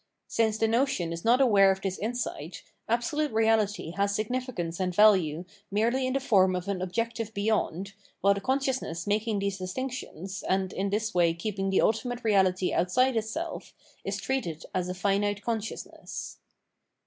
Since the notion is not aware of this insight, absolute Reahty has significance and value merely in the form of an objective beyond, while the consciousness making these distinctions, and in this way keeping the ultimate reahty outside itself, is treated as a finite consciousness.